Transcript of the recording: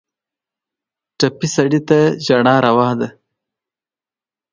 ټپي سړی ته ژړا روا ده.